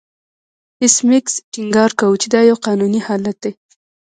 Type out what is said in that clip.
ایس میکس ټینګار کاوه چې دا یو قانوني حالت دی